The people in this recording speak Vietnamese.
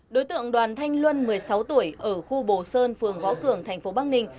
đối tượng đoàn thanh luân một mươi sáu tuổi ở khu bồ sơn phường gó cường tp bắc ninh